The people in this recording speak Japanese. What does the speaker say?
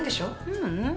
ううん。